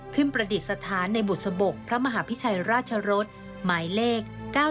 ประดิษฐานในบุษบกพระมหาพิชัยราชรสหมายเลข๙๙